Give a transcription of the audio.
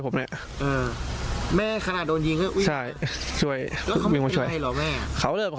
เพิ่งช่วยผมเนี่ย